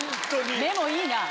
目もいいな。